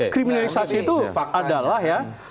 kriminalisasi itu adalah ya